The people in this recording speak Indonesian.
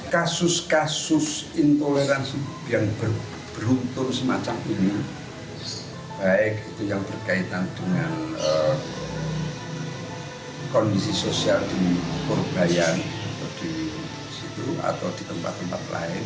kasus kasus intoleransi yang beruntung semacam ini baik itu yang berkaitan dengan kondisi sosial di purbayan atau di situ atau di tempat tempat lain